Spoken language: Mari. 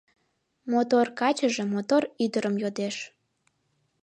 Мотор качыже мотор ӱдырым йодеш